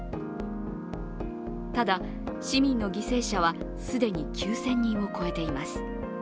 ただ市民の犠牲者は既に９０００人を超えています。